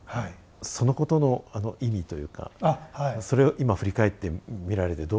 そのことの意味というかそれを今振り返ってみられてどう。